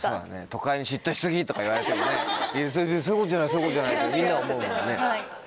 「都会に嫉妬し過ぎ」とか言われてもねそういうことじゃないってみんなは思うもんね。